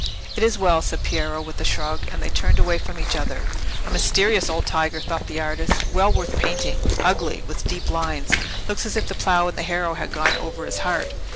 "It is well," said Piero, with a shrug, and they turned away from each other. "A mysterious old tiger!" thought the artist, "well worth painting. Ugly—with deep lines—looking as if the plough and the harrow had gone over his heart.